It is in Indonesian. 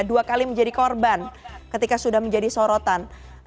dua kali menjadi korban ketika sudah menjadi sorotan